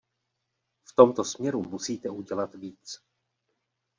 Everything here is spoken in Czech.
V tomto směru musíte udělat víc.